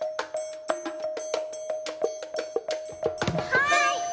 はい！